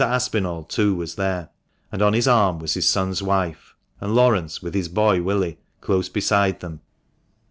Aspinall, too, was there, and on his arm was his son's wife, and Laurence, with his boy Willie, close beside them.